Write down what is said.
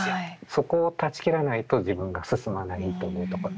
そこを断ち切らないと自分が進まないというところもあって。